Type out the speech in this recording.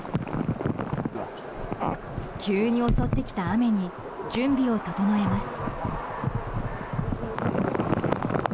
急に襲ってきた雨に準備を整えます。